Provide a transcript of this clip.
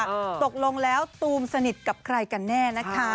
ตกลงแล้วตูมสนิทกับใครกันแน่นะคะ